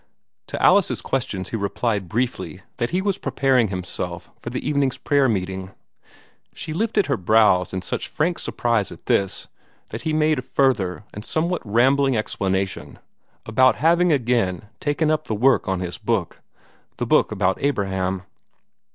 To Alice's questions he replied briefly that he was preparing himself for the evening's prayer meeting. She lifted her brows in such frank surprise at this that he made a further and somewhat rambling explanation about having again taken up the work on his book the book about Abraham.